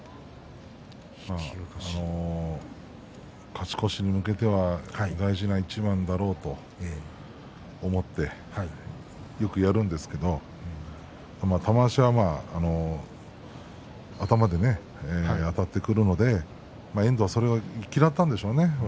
勝ち越しに向けては大事な一番だろうと思ってよくやるんですけれど玉鷲は頭であたってくるので遠藤はそれを嫌ったんでしょうね。